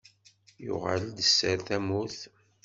Yuɣel-d sser tamurt.